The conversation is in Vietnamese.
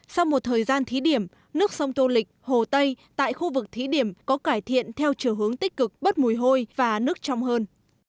sau một thời gian thí điểm nước sông tô lịch hồ tây tại khu vực thí điểm có cải thiện theo chiều hướng tích cực bất mùi hôi và nước trong hơn